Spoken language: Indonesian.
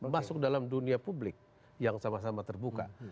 masuk dalam dunia publik yang sama sama terbuka